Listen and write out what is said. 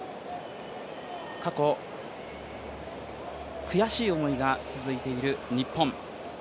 過去悔しい思いが続いている日本。